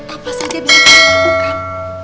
apa saja bisa kalian lakukan